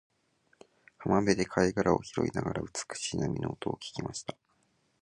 浜辺で貝殻を拾いながら、美しい波の音を聞きました。